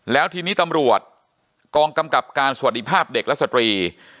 แล้วทีนี้ตำรวจกองกำกับการสวัสดีภาพเด็กและสตรี